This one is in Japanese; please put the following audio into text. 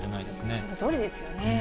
そのとおりですよね。